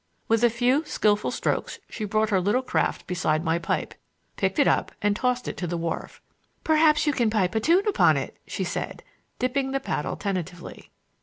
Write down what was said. With a few skilful strokes she brought her little craft beside my pipe, picked it up and tossed it to the wharf. "Perhaps you can pipe a tune upon it," she said, dipping the paddle tentatively.